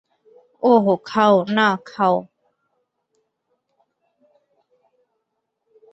ওহ, খাও, না খাও।